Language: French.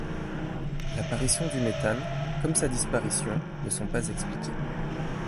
L'apparition du méthane comme sa disparition ne sont pas expliquées.